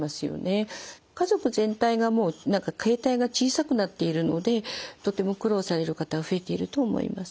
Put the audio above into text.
家族全体がもう形態が小さくなっているのでとても苦労される方は増えていると思います。